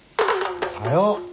さよう。